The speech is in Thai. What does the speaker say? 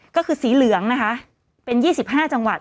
ก็คือสีเหลืองนะคะเป็นยี่สิบห้าจังหวัด